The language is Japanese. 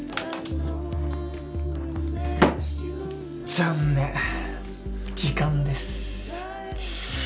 残念時間です。